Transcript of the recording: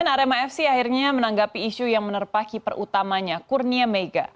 arema fc akhirnya menanggapi isu yang menerpaki perutamanya kurnia mega